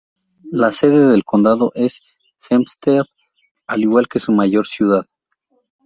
La sede del condado es Hempstead, al igual que su mayor ciudad.